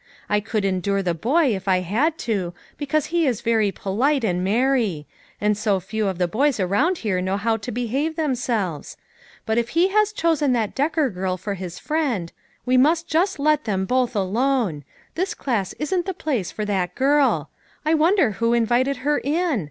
I could endure the boy if I had to, because he is very polite, and merry ; and so few of the boys around here know how to be have themselves; but if he has chosen that Decker girl for his friend, we must just let them both alone. This class isn't the place for that girl; I wonder who invited her in?